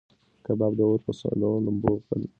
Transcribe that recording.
کباب د اور په سرو لمبو کې خپل ځانګړی او خوندور بوی خپور کړ.